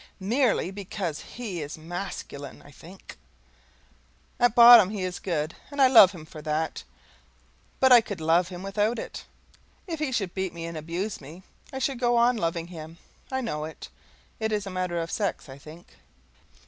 MERELY BECAUSE HE IS MASCULINE, I think. At bottom he is good, and I love him for that, but I could love him without it. If he should beat me and abuse me, I should go on loving him. I know it. It is a matter of sex, I think.